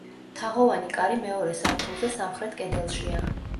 თაღოვანი კარი მეორე სართულზე სამხრეთ კედელშია.